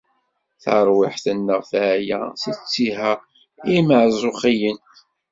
Tarwiḥt-nneɣ teɛya si ttiha n iemzuxxiyen.